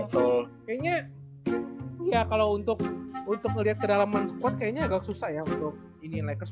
kayaknya ya kalo untuk ngeliat kedalaman squad kayaknya agak susah ya untuk iniin lakers